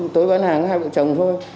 tối bán hàng có hai vợ chồng thôi